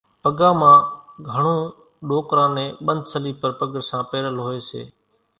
پڳان مان گھڻون ڏوڪران نين ٻنڌ سليپر پڳرسان پيرل هوئيَ سي۔